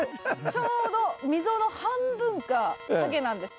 ちょうど溝の半分が影なんですよ。